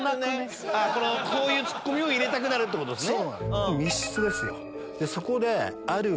こういうツッコミを入れたくなるってことですね。